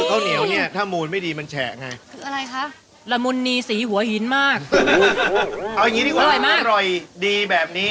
โอ้เดี๋ยวนะกล้องดูใหม่นะเข้าทางขวางด้วยเมื่อกี้